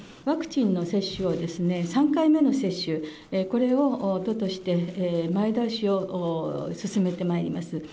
ワクチンの接種を、３回目の接種、これを都として、前倒しを進めてまいります。